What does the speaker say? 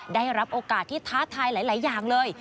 ได้รับโอกาสที่ท้าทายหลายอย่างเลย